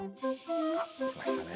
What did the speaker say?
あっ来ましたね。